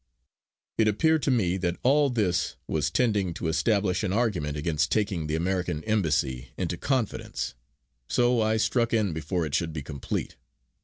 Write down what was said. It appeared to me that all this was tending to establish an argument against taking the American Embassy into confidence, so I struck in before it should be complete.